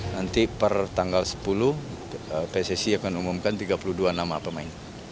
nanti per tanggal sepuluh pssi akan umumkan tiga puluh dua nama pemain